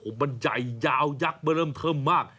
มันใหญ่ยาวยักษ์มาเริ่มเทิมมาก